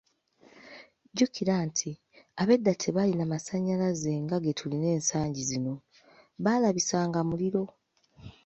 Jjukira nti ab’edda tebaalina masannyalaze nga ge tulina ensangi zino, baalabisanga muliro.